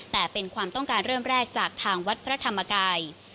แต่เป็นความต้องการเริ่มแรกจากทางวัดพระธรรมกาย